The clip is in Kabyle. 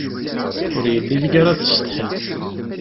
Ur yelli ideg ara tessetḥiḍ.